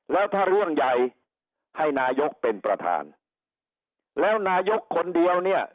แล้วถ้าเรื่องใหญ่ให้นายกเป็นประธานแล้วนายกคนเดียวเนี่ย